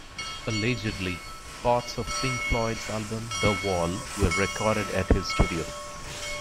Allegedly, parts of Pink Floyd's album "The Wall" were recorded at his studio.